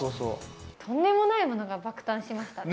とんでもないものが爆誕しましたね。